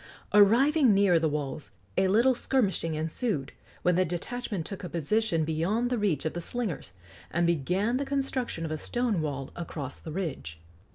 Arriving near the walls, a little skirmishing ensued, when the detachment took a position beyond the reach of the slingers, and began the construction of a stone wall across the ridge.